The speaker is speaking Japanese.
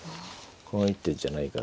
この一手じゃないから。